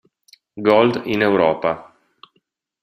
Gold in Europa.